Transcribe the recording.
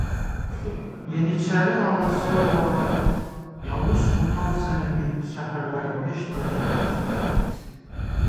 Yeniçəri ağası olaraq Yavuz Sultan Səlimin səfərlərində iştirak etmişdir.